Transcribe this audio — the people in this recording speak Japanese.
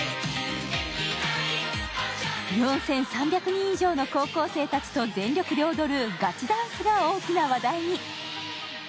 ４３００人以上の高校生たちと全力で踊るガチダンスが大きな話題に。